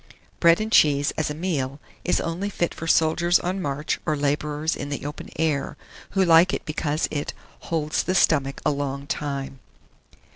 Bread and cheese, as a meal, is only fit for soldiers on march or labourers in the open air, who like it because it "holds the stomach a long time."